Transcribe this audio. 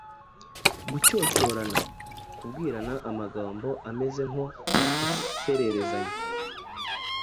Gucyocyorana: kubwirana amagambo ameze nko gusererezanya.